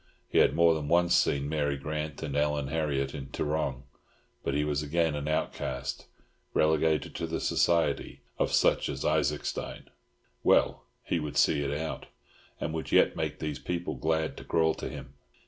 He had more than once seen Mary Grant and Ellen Harriott in Tarrong, but he was again an outcast, relegated to the society of such as Isaacstein. Well, he would see it out, and would yet make these people glad to crawl to him.